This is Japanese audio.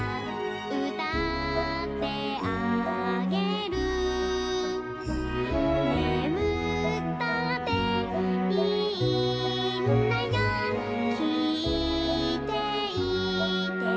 「うたってあげる」「ねむったっていいんだよきいていてね、、、」